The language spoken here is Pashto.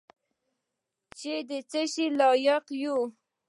چې د څه شي لایق یو .